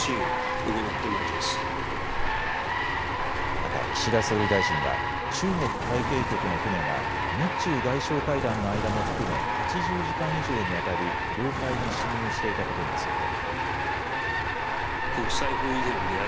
また岸田総理大臣は中国海警局の船が日中外相会談の間も含め８０時間以上にわたり領海に侵入していたことについて。